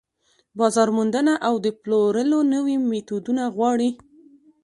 بازار موندنه او د پلورلو نوي ميتودونه غواړي.